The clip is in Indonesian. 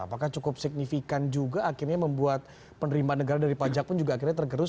apakah cukup signifikan juga akhirnya membuat penerimaan negara dari pajak pun juga akhirnya tergerus